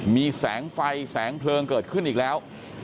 มีแสงไฟแสงเพลิงเกิดขึ้นอีกแล้ว